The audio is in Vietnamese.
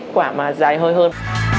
kết quả mà dài hơi hơn